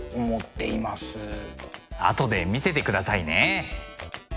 後で見せてくださいね。